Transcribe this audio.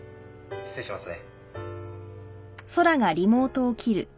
失礼しますね。